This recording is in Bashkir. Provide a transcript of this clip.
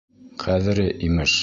— Ҡәҙере, имеш!